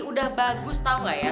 udah bagus tau gak ya